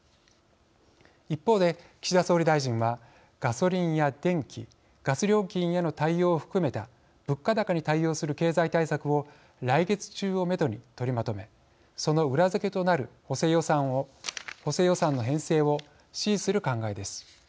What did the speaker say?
一方で、岸田総理大臣はガソリンや電気、ガス料金への対応を含めた物価高に対応する経済対策を来月中をめどに取りまとめその裏付けとなる補正予算の編成を指示する考えです。